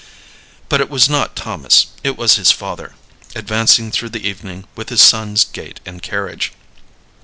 But it was not Thomas; it was his father, advancing through the evening with his son's gait and carriage.